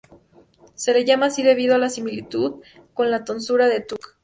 Se le llama así debido a la similitud con la tonsura de Tuck.